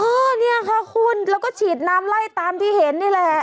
เนี่ยค่ะคุณแล้วก็ฉีดน้ำไล่ตามที่เห็นนี่แหละ